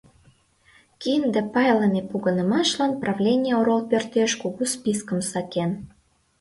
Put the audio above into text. Кинде пайлыме погынымашлан правлений орол пӧртеш кугу спискым сакен.